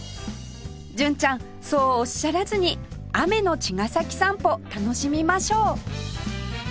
純ちゃんそうおっしゃらずに雨の茅ヶ崎散歩楽しみましょう！